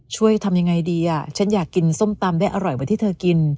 ทำยังไงดีอ่ะฉันอยากกินส้มตำได้อร่อยเหมือนที่เธอกิน